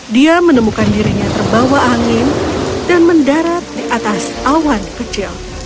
dia menemukan dirinya terbawa angin dan mendarat di atas awan kecil